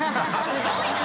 すごいな。